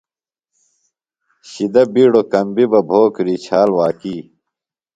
شِدہ بِیڈوۡ کمبیۡ بہ، بھوکُری چھال واکی